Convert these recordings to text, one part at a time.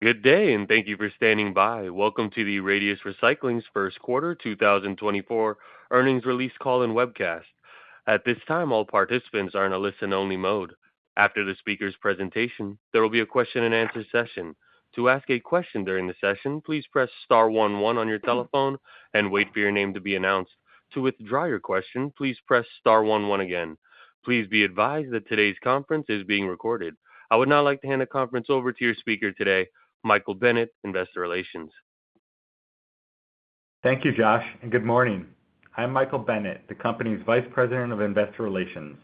Good day, and thank you for standing by. Welcome to the Radius Recycling's first quarter 2024 earnings release call and webcast. At this time, all participants are in a listen-only mode. After the speaker's presentation, there will be a question-and-answer session. To ask a question during the session, please press star one one on your telephone and wait for your name to be announced. To withdraw your question, please press star one one again. Please be advised that today's conference is being recorded. I would now like to hand the conference over to your speaker today, Michael Bennett, Investor Relations. Thank you, Josh, and good morning. I'm Michael Bennett, the company's Vice President of Investor Relations.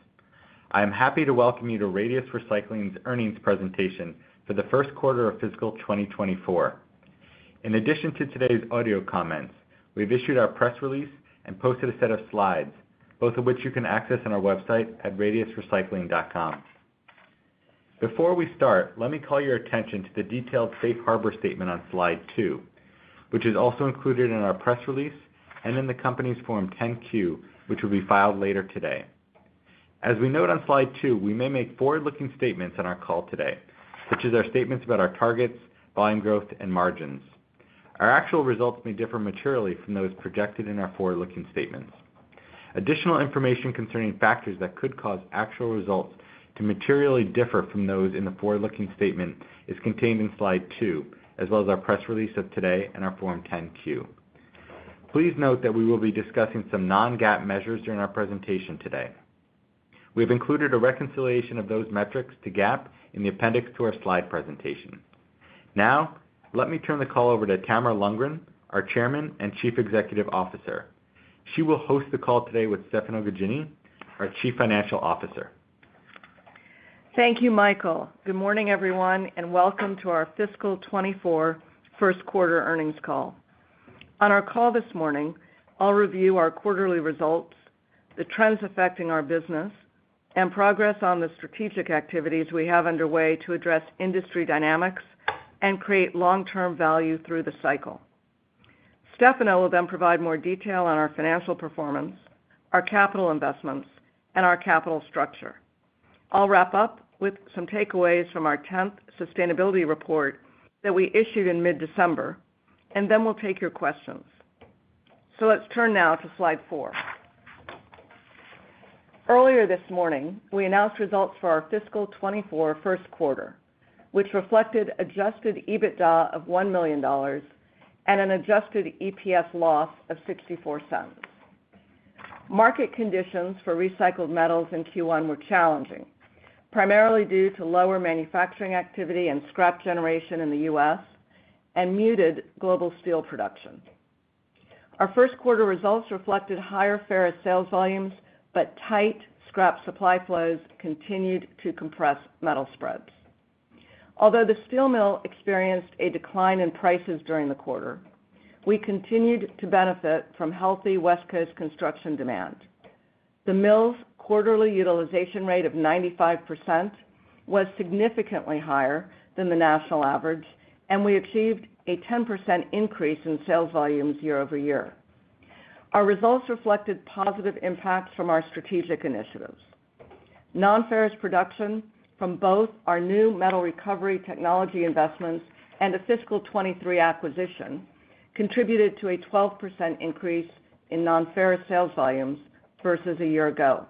I am happy to welcome you to Radius Recycling's earnings presentation for the first quarter of fiscal 2024. In addition to today's audio comments, we've issued our press release and posted a set of slides, both of which you can access on our website at radiusrecycling.com. Before we start, let me call your attention to the detailed Safe Harbor statement on slide 2, which is also included in our press release and in the company's Form 10-Q, which will be filed later today. As we note on Slide 2, we may make forward-looking statements on our call today, which is our statements about our targets, volume growth, and margins. Our actual results may differ materially from those projected in our forward-looking statements. Additional information concerning factors that could cause actual results to materially differ from those in the forward-looking statement is contained in slide 2, as well as our press release of today and our Form 10-Q. Please note that we will be discussing some non-GAAP measures during our presentation today. We have included a reconciliation of those metrics to GAAP in the appendix to our slide presentation. Now, let me turn the call over to Tamara Lundgren, our Chairman and Chief Executive Officer. She will host the call today with Stefano Gaggini, our Chief Financial Officer. Thank you, Michael. Good morning, everyone, and welcome to our fiscal 2024 first quarter earnings call. On our call this morning, I'll review our quarterly results, the trends affecting our business, and progress on the strategic activities we have underway to address industry dynamics and create long-term value through the cycle. Stefano will then provide more detail on our financial performance, our capital investments, and our capital structure. I'll wrap up with some takeaways from our 10th sustainability report that we issued in mid-December, and then we'll take your questions. Let's turn now to slide 4. Earlier this morning, we announced results for our fiscal 2024 first quarter, which reflected adjusted EBITDA of $1 million and an adjusted EPS loss of $0.64. Market conditions for recycled metals in Q1 were challenging, primarily due to lower manufacturing activity and scrap generation in the U.S. and muted global steel production. Our first quarter results reflected higher ferrous sales volumes, but tight scrap supply flows continued to compress metal spreads. Although the steel mill experienced a decline in prices during the quarter, we continued to benefit from healthy West Coast construction demand. The mill's quarterly utilization rate of 95% was significantly higher than the national average, and we achieved a 10% increase in sales volumes year-over-year. Our results reflected positive impacts from our strategic initiatives. Non-ferrous production from both our new metal recovery technology investments and the fiscal 2023 acquisition contributed to a 12% increase in non-ferrous sales volumes versus a year ago.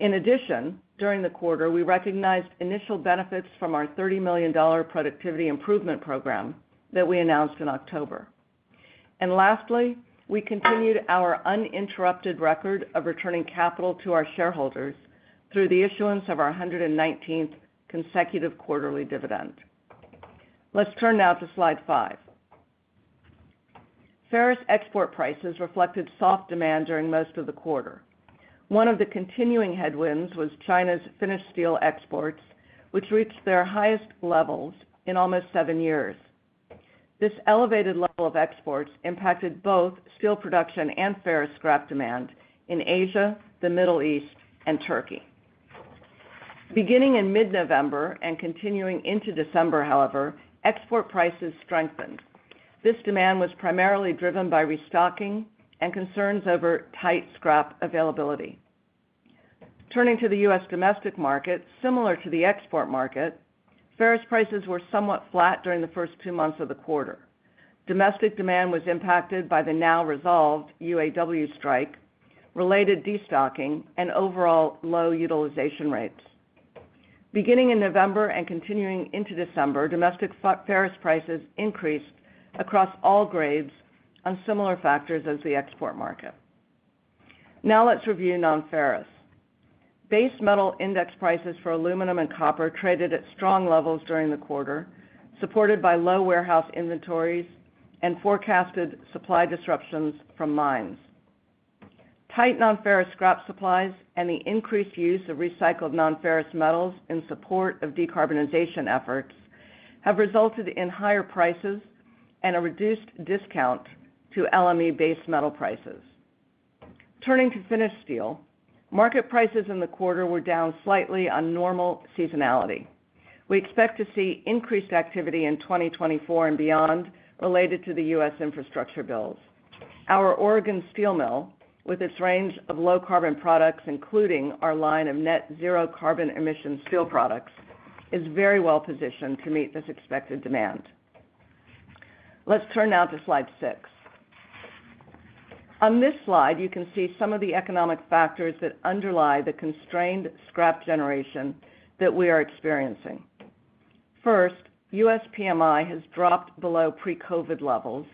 In addition, during the quarter, we recognized initial benefits from our $30 million productivity improvement program that we announced in October. Lastly, we continued our uninterrupted record of returning capital to our shareholders through the issuance of our 119th consecutive quarterly dividend. Let's turn now to Slide 5. Ferrous export prices reflected soft demand during most of the quarter. One of the continuing headwinds was China's finished steel exports, which reached their highest levels in almost seven years. This elevated level of exports impacted both steel production and ferrous scrap demand in Asia, the Middle East, and Turkey. Beginning in mid-November and continuing into December, however, export prices strengthened. This demand was primarily driven by restocking and concerns over tight scrap availability. Turning to the U.S. domestic market, similar to the export market, ferrous prices were somewhat flat during the first two months of the quarter. Domestic demand was impacted by the now resolved UAW strike, related destocking, and overall low utilization rates. Beginning in November and continuing into December, domestic ferrous prices increased across all grades on similar factors as the export market. Now let's review non-ferrous. Base Metal Index prices for aluminum and copper traded at strong levels during the quarter, supported by low warehouse inventories and forecasted supply disruptions from mines. Tight non-ferrous scrap supplies and the increased use of recycled non-ferrous metals in support of decarbonization efforts have resulted in higher prices and a reduced discount to LME-based metal prices. Turning to finished steel, market prices in the quarter were down slightly on normal seasonality. We expect to see increased activity in 2024 and beyond related to the U.S. infrastructure bills. Our Oregon steel mill, with its range of low-carbon products, including our line of Net Zero carbon emission steel products, is very well positioned to meet this expected demand. Let's turn now to slide 6. On this slide, you can see some of the economic factors that underlie the constrained scrap generation that we are experiencing. First, U.S. PMI has dropped below pre-COVID levels,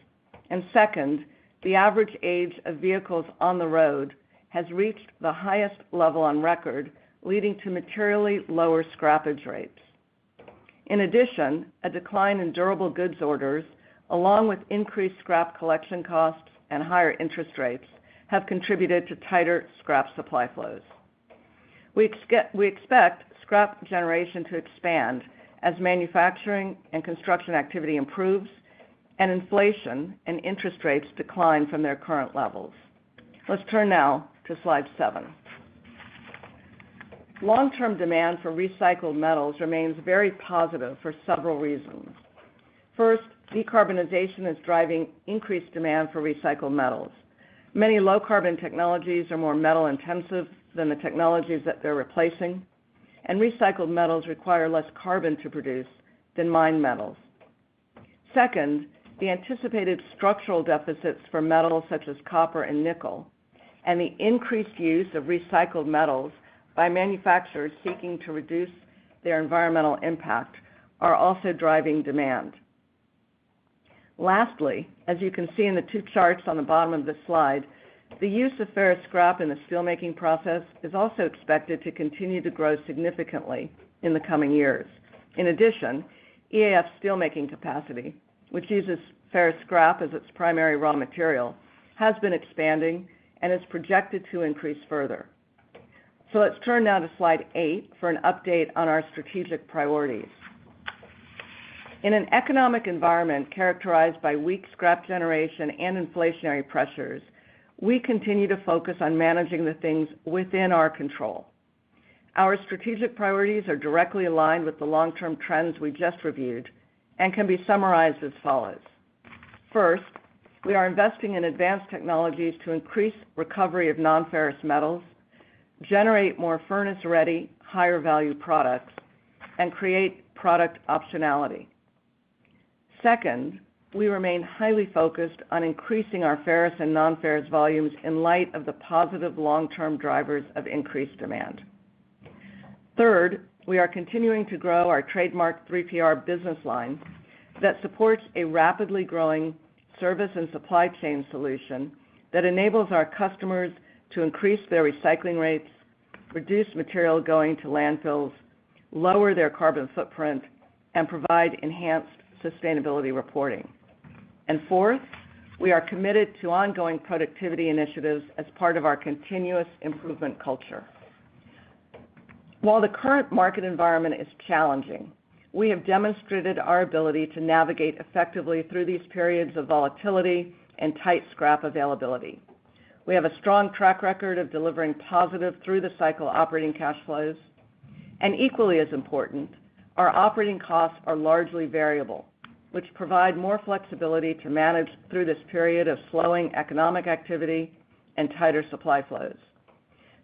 and second, the average age of vehicles on the road has reached the highest level on record, leading to materially lower scrappage rates. In addition, a decline in durable goods orders, along with increased scrap collection costs and higher interest rates, have contributed to tighter scrap supply flows. We expect scrap generation to expand as manufacturing and construction activity improves, and inflation and interest rates decline from their current levels. Let's turn now to slide 7. Long-term demand for recycled metals remains very positive for several reasons. First, decarbonization is driving increased demand for recycled metals. Many low-carbon technologies are more metal-intensive than the technologies that they're replacing, and recycled metals require less carbon to produce than mined metals. Second, the anticipated structural deficits for metals such as copper and nickel, and the increased use of recycled metals by manufacturers seeking to reduce their environmental impact, are also driving demand. Lastly, as you can see in the two charts on the bottom of this slide, the use of ferrous scrap in the steelmaking process is also expected to continue to grow significantly in the coming years. In addition, EAF's steelmaking capacity, which uses ferrous scrap as its primary raw material, has been expanding and is projected to increase further. Let's turn now to slide eight for an update on our strategic priorities. In an economic environment characterized by weak scrap generation and inflationary pressures, we continue to focus on managing the things within our control. Our strategic priorities are directly aligned with the long-term trends we just reviewed and can be summarized as follows: First, we are investing in advanced technologies to increase recovery of non-ferrous metals, generate more furnace-ready, higher-value products, and create product optionality. Second, we remain highly focused on increasing our ferrous and non-ferrous volumes in light of the positive long-term drivers of increased demand. Third, we are continuing to grow our trademarked 3PR business line that supports a rapidly growing service and supply chain solution that enables our customers to increase their recycling rates, reduce material going to landfills, lower their carbon footprint, and provide enhanced sustainability reporting. And fourth, we are committed to ongoing productivity initiatives as part of our continuous improvement culture. While the current market environment is challenging, we have demonstrated our ability to navigate effectively through these periods of volatility and tight scrap availability. We have a strong track record of delivering positive through-the-cycle operating cash flows, and equally as important, our operating costs are largely variable, which provide more flexibility to manage through this period of slowing economic activity and tighter supply flows.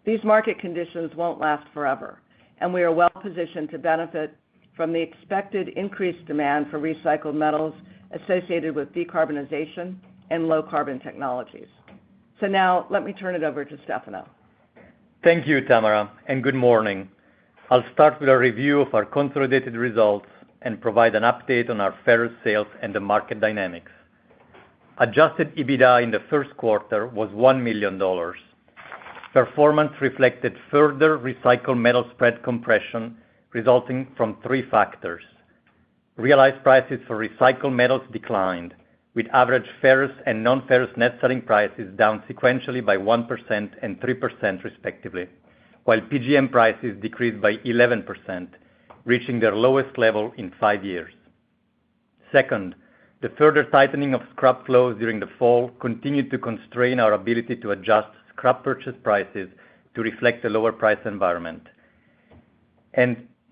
These market conditions won't last forever, and we are well positioned to benefit from the expected increased demand for recycled metals associated with decarbonization and low-carbon technologies. Now let me turn it over to Stefano. Thank you, Tamara, and good morning. I'll start with a review of our consolidated results and provide an update on our ferrous sales and the market dynamics. Adjusted EBITDA in the first quarter was $1 million. Performance reflected further recycled metal spread compression, resulting from three factors. Realized prices for recycled metals declined, with average ferrous and non-ferrous net selling prices down sequentially by 1% and 3%, respectively, while PGM prices decreased by 11%, reaching their lowest level in 5 years. Second, the further tightening of scrap flows during the fall continued to constrain our ability to adjust scrap purchase prices to reflect the lower price environment.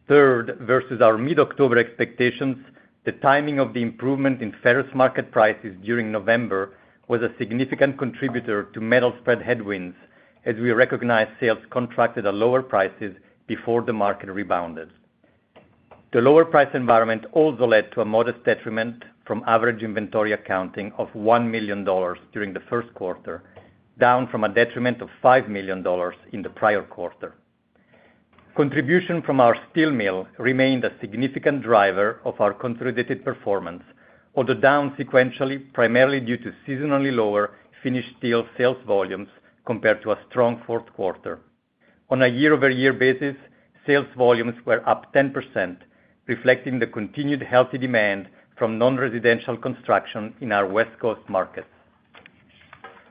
Third, versus our mid-October expectations, the timing of the improvement in ferrous market prices during November was a significant contributor to metal spread headwinds, as we recognized sales contracted at lower prices before the market rebounded. The lower price environment also led to a modest detriment from average inventory accounting of $1 million during the first quarter, down from a detriment of $5 million in the prior quarter. Contribution from our steel mill remained a significant driver of our consolidated performance, although down sequentially, primarily due to seasonally lower finished steel sales volumes compared to a strong fourth quarter. On a year-over-year basis, sales volumes were up 10%, reflecting the continued healthy demand from non-residential construction in our West Coast markets.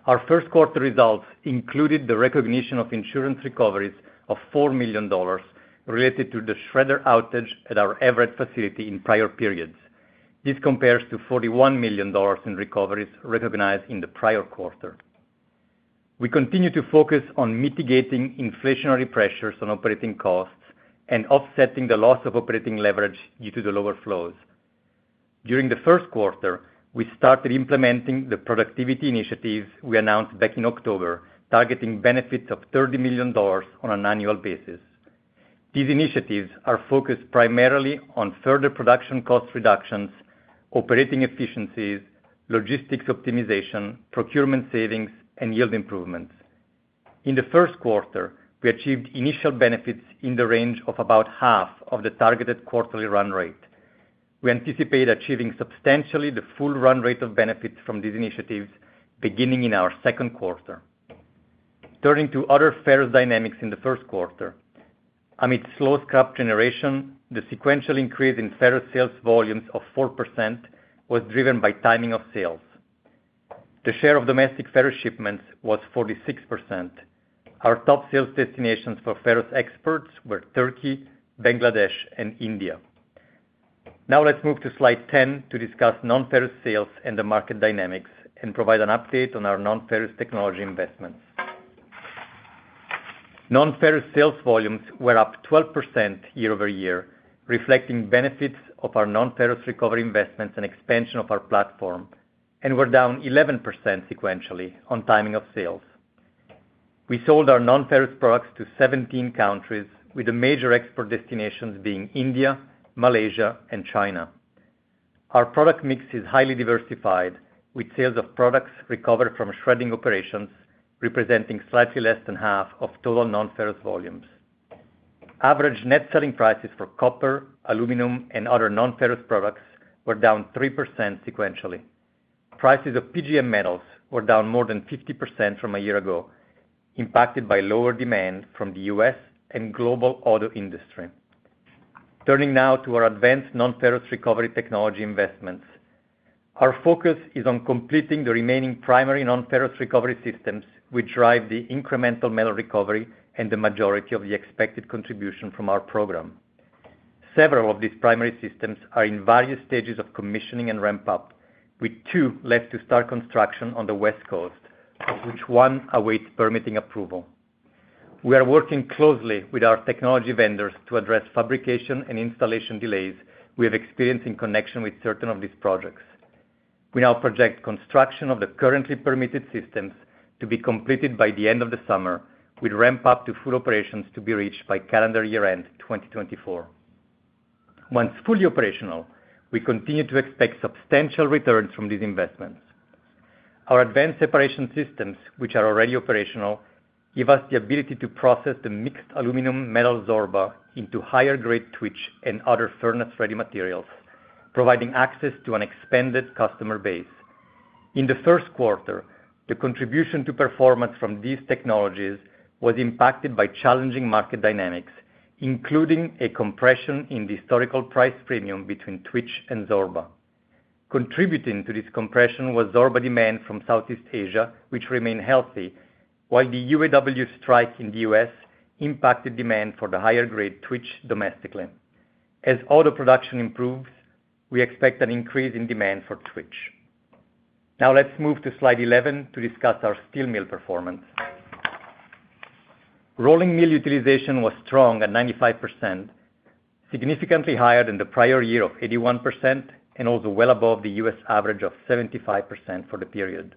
Our first quarter results included the recognition of insurance recoveries of $4 million related to the shredder outage at our Everett facility in prior periods. This compares to $41 million in recoveries recognized in the prior quarter.... We continue to focus on mitigating inflationary pressures on operating costs and offsetting the loss of operating leverage due to the lower flows. During the first quarter, we started implementing the productivity initiatives we announced back in October, targeting benefits of $30 million on an annual basis. These initiatives are focused primarily on further production cost reductions, operating efficiencies, logistics optimization, procurement savings, and yield improvements. In the first quarter, we achieved initial benefits in the range of about half of the targeted quarterly run rate. We anticipate achieving substantially the full run rate of benefits from these initiatives beginning in our second quarter. Turning to other ferrous dynamics in the first quarter, amid slow scrap generation, the sequential increase in ferrous sales volumes of 4% was driven by timing of sales. The share of domestic ferrous shipments was 46%. Our top sales destinations for ferrous exports were Turkey, Bangladesh, and India. Now let's move to slide 10 to discuss non-ferrous sales and the market dynamics, and provide an update on our non-ferrous technology investments. Non-ferrous sales volumes were up 12% year-over-year, reflecting benefits of our non-ferrous recovery investments and expansion of our platform, and were down 11% sequentially on timing of sales. We sold our non-ferrous products to 17 countries, with the major export destinations being India, Malaysia, and China. Our product mix is highly diversified, with sales of products recovered from shredding operations representing slightly less than half of total non-ferrous volumes. Average net selling prices for copper, aluminum, and other non-ferrous products were down 3% sequentially. Prices of PGM metals were down more than 50% from a year ago, impacted by lower demand from the U.S. and global auto industry. Turning now to our advanced non-ferrous recovery technology investments. Our focus is on completing the remaining primary non-ferrous recovery systems, which drive the incremental metal recovery and the majority of the expected contribution from our program. Several of these primary systems are in various stages of commissioning and ramp-up, with two left to start construction on the West Coast, of which one awaits permitting approval. We are working closely with our technology vendors to address fabrication and installation delays we have experienced in connection with certain of these projects. We now project construction of the currently permitted systems to be completed by the end of the summer, with ramp-up to full operations to be reached by calendar year-end, 2024. Once fully operational, we continue to expect substantial returns from these investments. Our advanced separation systems, which are already operational, give us the ability to process the mixed aluminum metal Zorba into higher grade Twitch and other furnace-ready materials, providing access to an expanded customer base. In the first quarter, the contribution to performance from these technologies was impacted by challenging market dynamics, including a compression in the historical price premium between Twitch and Zorba. Contributing to this compression was Zorba demand from Southeast Asia, which remained healthy, while the UAW strike in the U.S. impacted demand for the higher grade Twitch domestically. As auto production improves, we expect an increase in demand for Twitch. Now let's move to slide 11 to discuss our steel mill performance. Rolling mill utilization was strong at 95%, significantly higher than the prior year of 81%, and also well above the U.S. average of 75% for the period.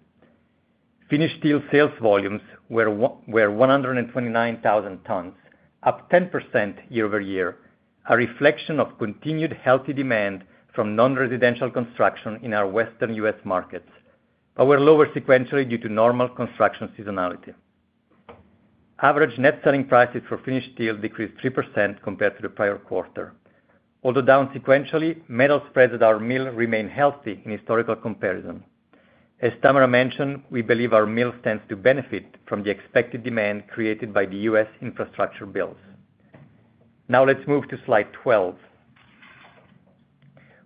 Finished steel sales volumes were 129,000 tons, up 10% year-over-year, a reflection of continued healthy demand from non-residential construction in our Western U.S. markets, but were lower sequentially due to normal construction seasonality. Average net selling prices for finished steel decreased 3% compared to the prior quarter. Although down sequentially, metal spreads at our mill remain healthy in historical comparison. As Tamara mentioned, we believe our mill stands to benefit from the expected demand created by the U.S. infrastructure bills. Now let's move to slide 12.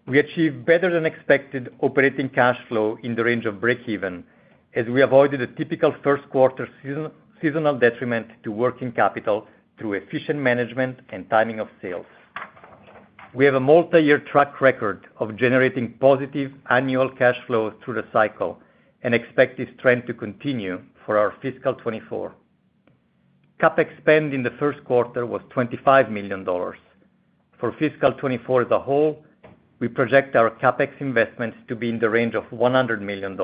We achieved better-than-expected operating cash flow in the range of breakeven, as we avoided a typical first quarter seasonal detriment to working capital through efficient management and timing of sales. We have a multi-year track record of generating positive annual cash flow through the cycle and expect this trend to continue for our fiscal 2024. CapEx spend in the first quarter was $25 million. For fiscal 2024 as a whole, we project our CapEx investments to be in the range of $100 million.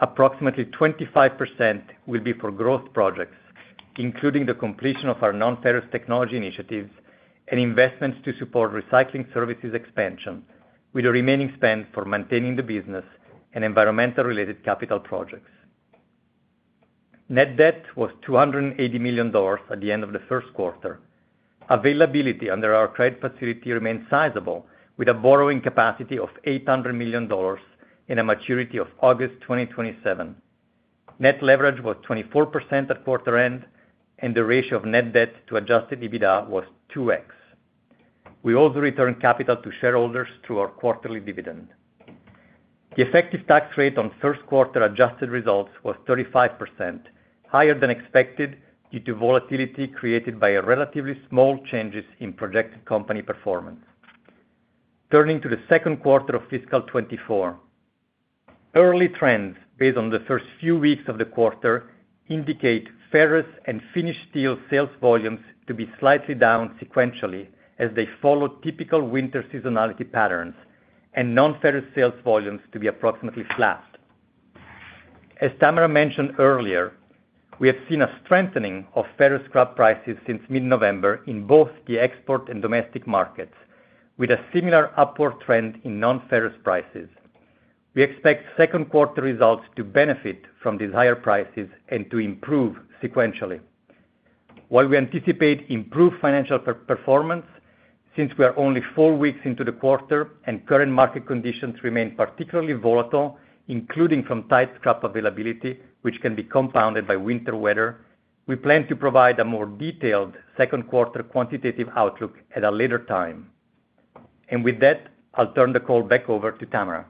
Approximately 25% will be for growth projects, including the completion of our non-ferrous technology initiatives and investments to support recycling services expansion, with the remaining spend for maintaining the business and environmental-related capital projects. Net debt was $280 million at the end of the first quarter. Availability under our credit facility remains sizable, with a borrowing capacity of $800 million and a maturity of August 2027. Net leverage was 24% at quarter end, and the ratio of net debt to Adjusted EBITDA was 2x. We also returned capital to shareholders through our quarterly dividend. The effective tax rate on first quarter adjusted results was 35%, higher than expected due to volatility created by a relatively small changes in projected company performance.... Turning to the second quarter of fiscal 2024. Early trends, based on the first few weeks of the quarter, indicate ferrous and finished steel sales volumes to be slightly down sequentially, as they follow typical winter seasonality patterns, and non-ferrous sales volumes to be approximately flat. As Tamara mentioned earlier, we have seen a strengthening of ferrous scrap prices since mid-November in both the export and domestic markets, with a similar upward trend in non-ferrous prices. We expect second quarter results to benefit from these higher prices and to improve sequentially. While we anticipate improved financial performance, since we are only four weeks into the quarter and current market conditions remain particularly volatile, including from tight scrap availability, which can be compounded by winter weather, we plan to provide a more detailed second quarter quantitative outlook at a later time. With that, I'll turn the call back over to Tamara.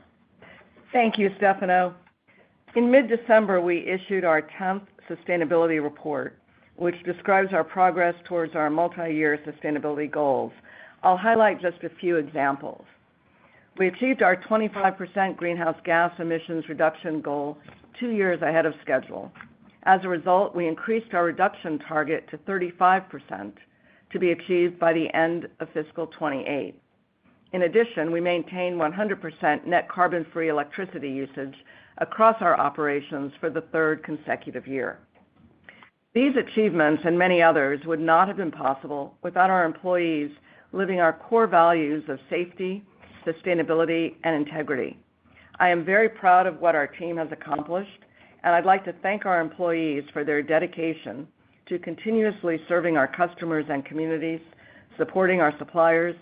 Thank you, Stefano. In mid-December, we issued our 10th sustainability report, which describes our progress towards our multi-year sustainability goals. I'll highlight just a few examples. We achieved our 25% greenhouse gas emissions reduction goal two years ahead of schedule. As a result, we increased our reduction target to 35%, to be achieved by the end of fiscal 2028. In addition, we maintained 100% net carbon-free electricity usage across our operations for the 3rd consecutive year. These achievements and many others would not have been possible without our employees living our core values of safety, sustainability, and integrity. I am very proud of what our team has accomplished, and I'd like to thank our employees for their dedication to continuously serving our customers and communities, supporting our suppliers,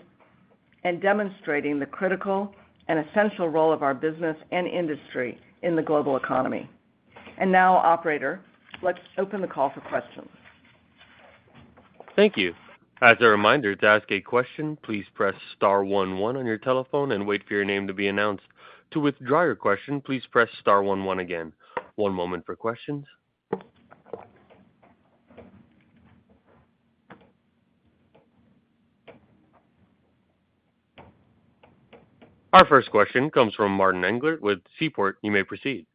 and demonstrating the critical and essential role of our business and industry in the global economy. Now, operator, let's open the call for questions. Thank you. As a reminder, to ask a question, please press star one one on your telephone and wait for your name to be announced. To withdraw your question, please press star one one again. One moment for questions. Our first question comes from Martin Englert with Seaport. You may proceed.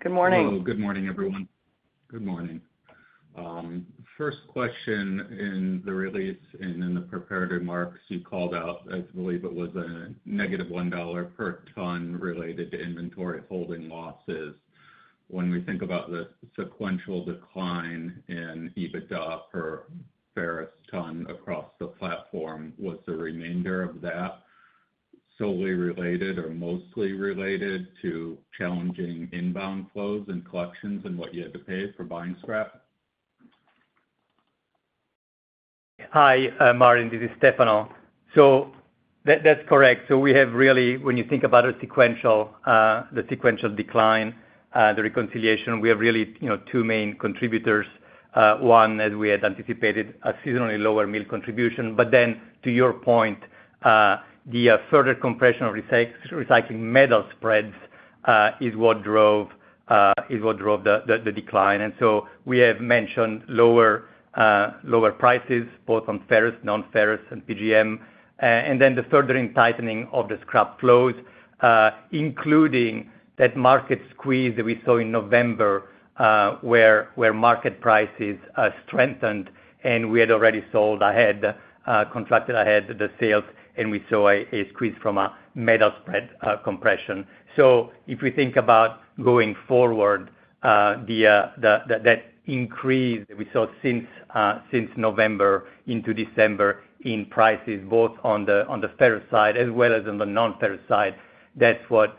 Good morning. Hello. Good morning, everyone. Good morning. First question, in the release and in the prepared remarks, you called out, I believe it was a negative $1 per ton related to inventory holding losses. When we think about the sequential decline in EBITDA per ferrous ton across the platform, was the remainder of that solely related or mostly related to challenging inbound flows and collections and what you had to pay for buying scrap? Hi, Martin, this is Stefano. So that's correct. So we have really, when you think about a sequential, the sequential decline, the reconciliation, we have really, you know, two main contributors. One, as we had anticipated, a seasonally lower mill contribution. But then, to your point, the further compression of recycling metal spreads is what drove the decline. And so we have mentioned lower prices, both on ferrous, non-ferrous, and PGM. And then the further tightening of the scrap flows, including that market squeeze that we saw in November, where market prices strengthened, and we had already sold ahead, contracted ahead the sales, and we saw a squeeze from a metal spread compression. So if we think about going forward, the increase that we saw since November into December in prices, both on the ferrous side as well as on the non-ferrous side, that's what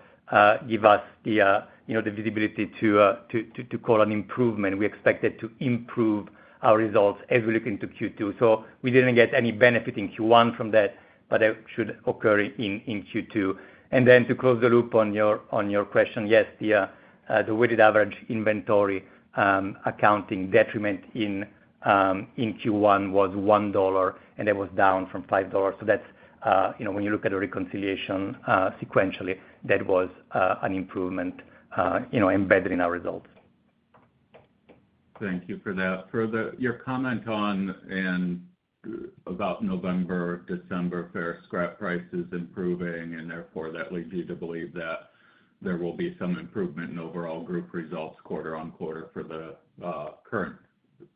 give us the, you know, the visibility to call an improvement. We expect it to improve our results as we look into Q2. So we didn't get any benefit in Q1 from that, but it should occur in Q2. And then to close the loop on your question, yes, the weighted average inventory accounting detriment in Q1 was $1, and it was down from $5. So that's, you know, when you look at a reconciliation, sequentially, that was an improvement, you know, embedded in our results. Thank you for that. For your comment on and about November, December, ferrous scrap prices improving, and therefore, that leads you to believe that there will be some improvement in overall group results quarter-over-quarter for the current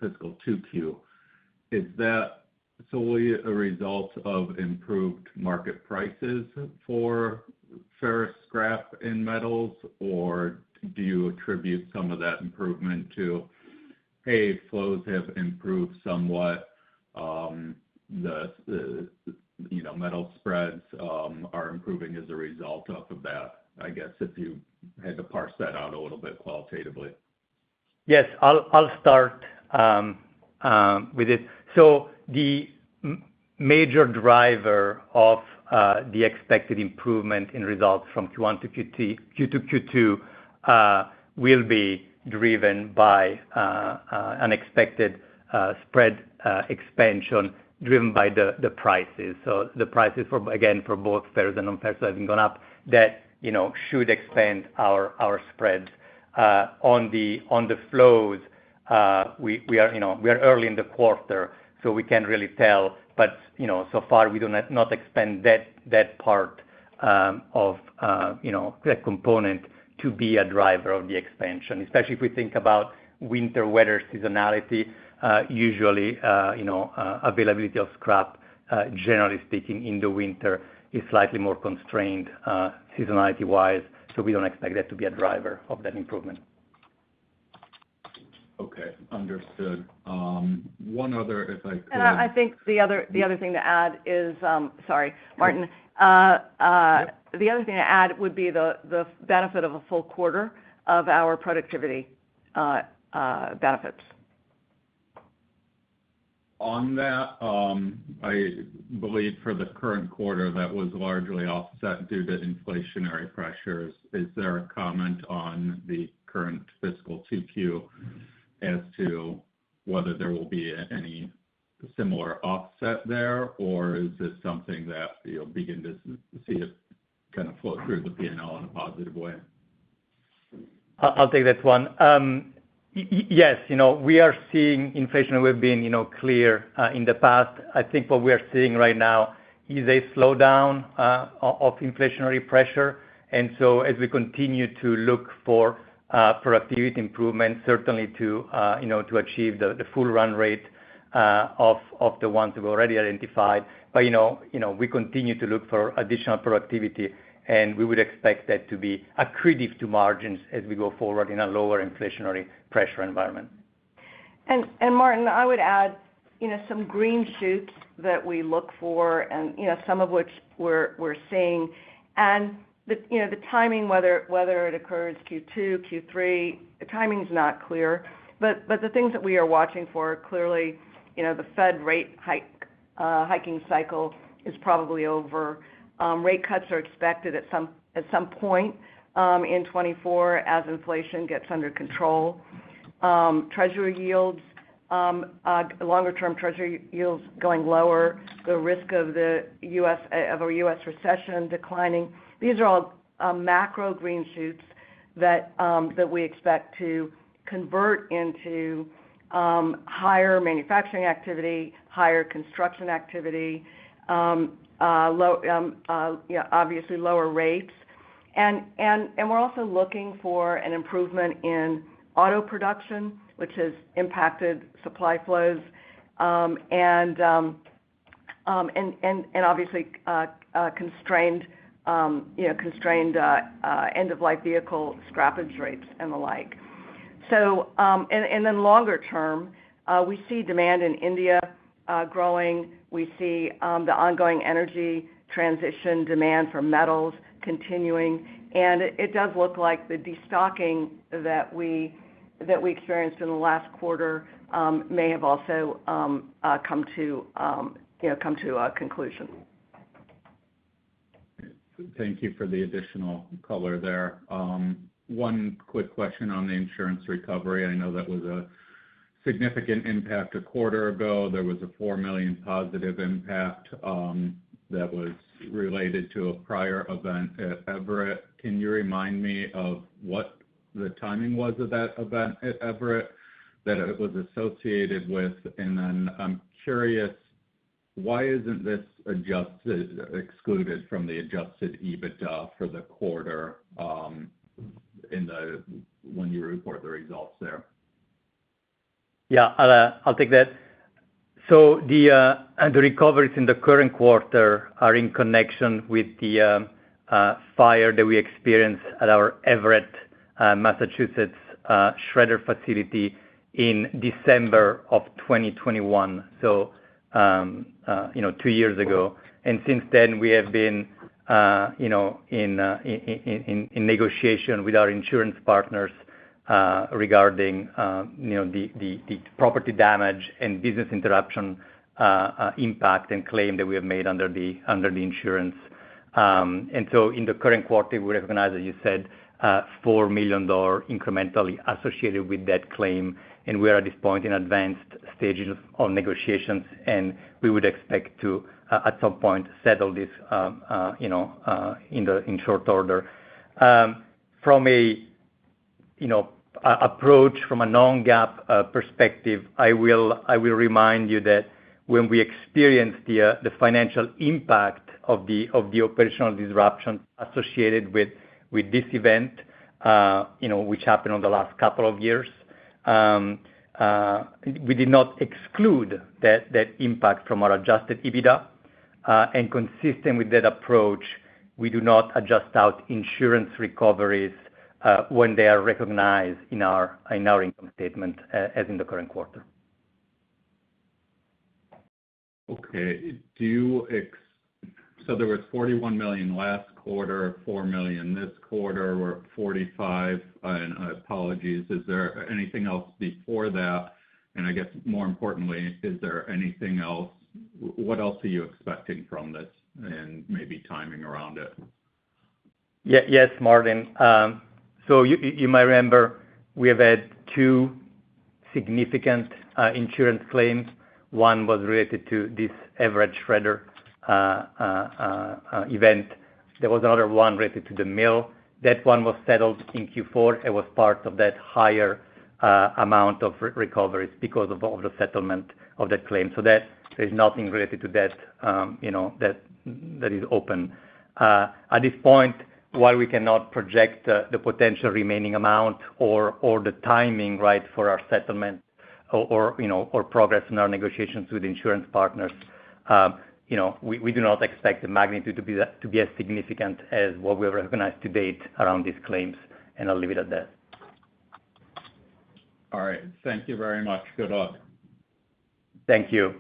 fiscal Q2. Is that solely a result of improved market prices for ferrous scrap in metals, or do you attribute some of that improvement to, hey, flows have improved somewhat, the you know, metal spreads are improving as a result of that? I guess if you had to parse that out a little bit qualitatively? Yes, I'll start with it. So the major driver of the expected improvement in results from Q1-Q2 will be driven by an expected spread expansion, driven by the prices. So the prices for, again, for both ferrous and non-ferrous have gone up that you know should expand our spreads on the flows. We are, you know, early in the quarter, so we can't really tell. But, you know, so far, we do not expect that part of that component to be a driver of the expansion. Especially if we think about winter weather seasonality, usually, you know, availability of scrap, generally speaking, in the winter is slightly more constrained, seasonality-wise, so we don't expect that to be a driver of that improvement. Okay, understood. One other, if I can- I think the other thing to add is, sorry, Martin. The other thing to add would be the benefit of a full quarter of our productivity benefits. On that, I believe for the current quarter, that was largely offset due to inflationary pressures. Is there a comment on the current fiscal Q2 as to whether there will be any similar offset there, or is this something that you'll begin to see it kind of flow through the P&L in a positive way? I'll take that one. Yes, you know, we are seeing inflation. We've been, you know, clear in the past. I think what we are seeing right now is a slowdown of inflationary pressure. And so as we continue to look for productivity improvements, certainly to, you know, to achieve the full run rate of the ones we've already identified. But, you know, we continue to look for additional productivity, and we would expect that to be accretive to margins as we go forward in a lower inflationary pressure environment. And Martin, I would add, you know, some green shoots that we look for and, you know, some of which we're seeing. And the, you know, the timing, whether it occurs Q2, Q3, the timing's not clear. But the things that we are watching for, clearly, you know, the Fed rate hike hiking cycle is probably over. Rate cuts are expected at some point in 2024 as inflation gets under control. Treasury yields, longer-term treasury yields going lower, the risk of the U.S. of a U.S. recession declining. These are all macro green shoots that we expect to convert into higher manufacturing activity, higher construction activity, low yeah, obviously lower rates. We're also looking for an improvement in auto production, which has impacted supply flows, and obviously constrained, you know, constrained end-of-life vehicle scrappage rates and the like. So then longer term, we see demand in India growing. We see the ongoing energy transition demand for metals continuing, and it does look like the destocking that we experienced in the last quarter may have also come to, you know, a conclusion. Thank you for the additional color there. One quick question on the insurance recovery. I know that was a significant impact a quarter ago. There was a $4 million positive impact, that was related to a prior event at Everett. Can you remind me of what the timing was of that event at Everett, that it was associated with? And then I'm curious, why isn't this excluded from the Adjusted EBITDA for the quarter, when you report the results there? Yeah, I'll take that. So the recoveries in the current quarter are in connection with the fire that we experienced at our Everett, Massachusetts, shredder facility in December of 2021, so, you know, two years ago. And since then, we have been, you know, in negotiation with our insurance partners regarding, you know, the property damage and business interruption impact and claim that we have made under the insurance. And so in the current quarter, we recognize, as you said, $4 million incrementally associated with that claim, and we are at this point in advanced stages of negotiations, and we would expect to, at some point, settle this, you know, in short order. From a, you know, approach from a non-GAAP perspective, I will remind you that when we experienced the financial impact of the operational disruption associated with this event, you know, which happened in the last couple of years, we did not exclude that impact from our Adjusted EBITDA. And consistent with that approach, we do not adjust out insurance recoveries when they are recognized in our income statement as in the current quarter. Okay, so there was $41 million last quarter, $4 million this quarter, or $45 million, and apologies, is there anything else before that? And I guess, more importantly, is there anything else? What else are you expecting from this, and maybe timing around it? Yes, Martin. So you might remember we have had two significant insurance claims. One was related to this Everett shredder event. There was another one related to the mill. That one was settled in Q4. It was part of that higher amount of recoveries because of all the settlement of that claim. So that, there's nothing related to that, you know, that is open. At this point, while we cannot project the potential remaining amount or the timing, right, for our settlement or, you know, or progress in our negotiations with insurance partners, you know, we do not expect the magnitude to be that, to be as significant as what we have recognized to date around these claims, and I'll leave it at that. All right. Thank you very much. Good luck. Thank you.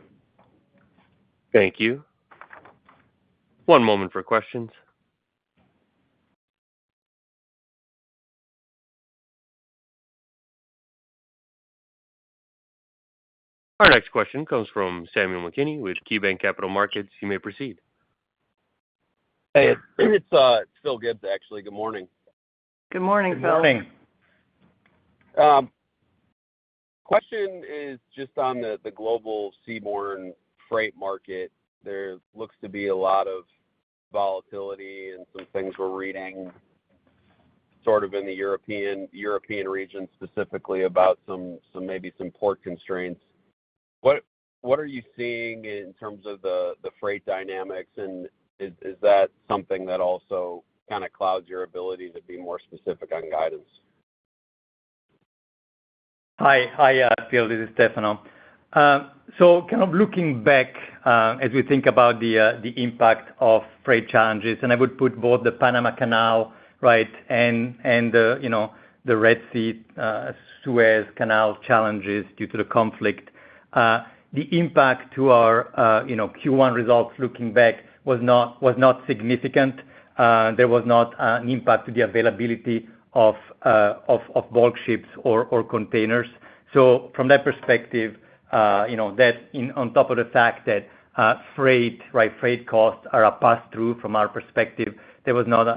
Thank you. One moment for questions. Our next question comes from Samuel McKinney, with KeyBanc Capital Markets. You may proceed. Hey, it's Phil Gibbs, actually. Good morning. Good morning, Phil. Good morning. Question is just on the global seaborne freight market. There looks to be a lot of volatility and some things we're reading sort of in the European region, specifically about some maybe some port constraints. What are you seeing in terms of the freight dynamics, and is that something that also kinda clouds your ability to be more specific on guidance? Hi, Phil. This is Stefano. So kind of looking back, as we think about the impact of freight challenges, and I would put both the Panama Canal, right, and the Red Sea, Suez Canal challenges due to the conflict. The impact to our, you know, Q1 results looking back was not significant. There was not an impact to the availability of bulk ships or containers. So from that perspective, you know, that on top of the fact that, freight, right, freight costs are a pass-through from our perspective, there was not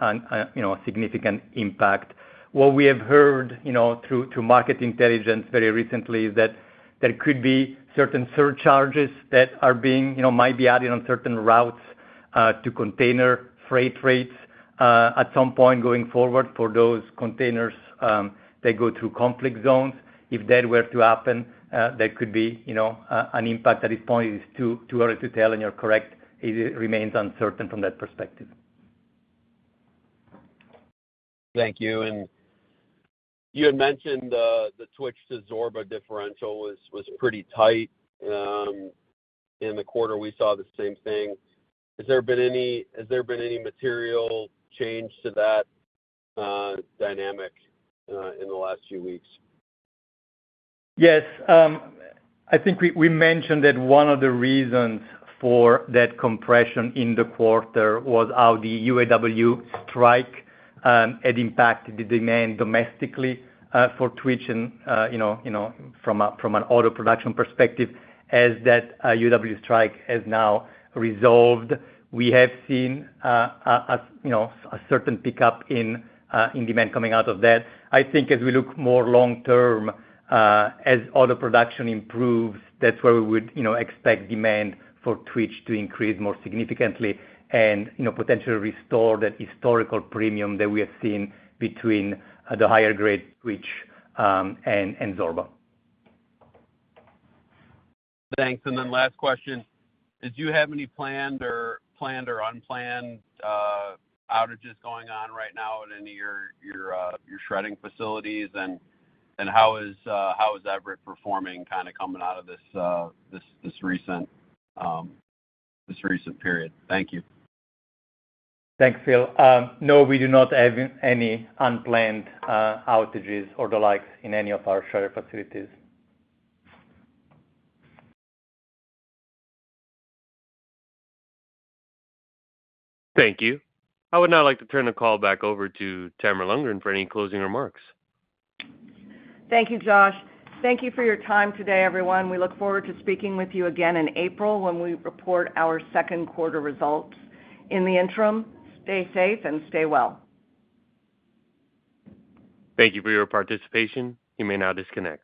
an, you know, a significant impact. What we have heard, you know, through market intelligence very recently is that there could be certain surcharges that are being, you know, might be added on certain routes to container freight rates at some point going forward for those containers that go through conflict zones. If that were to happen, there could be, you know, an impact. At this point, it's too early to tell, and you're correct, it remains uncertain from that perspective. Thank you. And you had mentioned the Twitch to Zorba differential was pretty tight. In the quarter, we saw the same thing. Has there been any material change to that dynamic in the last few weeks? Yes. I think we mentioned that one of the reasons for that compression in the quarter was how the UAW strike had impacted the demand domestically for Twitch and, you know, from an auto production perspective. As that UAW strike has now resolved, we have seen a certain pickup in demand coming out of that. I think as we look more long term, as auto production improves, that's where we would, you know, expect demand for Twitch to increase more significantly and, you know, potentially restore that historical premium that we have seen between the higher grade Twitch and Zorba. Thanks. And then last question: Did you have any planned or unplanned outages going on right now in any of your shredding facilities? And how is that performing kinda coming out of this recent period? Thank you. Thanks, Phil. No, we do not have any unplanned outages or the like in any of our shredder facilities. Thank you. I would now like to turn the call back over to Tamara Lundgren for any closing remarks. Thank you, Josh. Thank you for your time today, everyone. We look forward to speaking with you again in April when we report our second quarter results. In the interim, stay safe and stay well. Thank you for your participation. You may now disconnect.